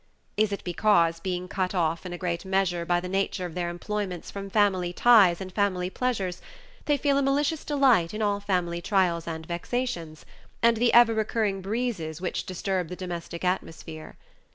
Is it because, being cut off, in a great measure, by the nature of their employments from family ties and family pleasures, they feel a malicious delight in all family trials and vexations, and the ever recurring breezes which disturb the domestic atmosphere?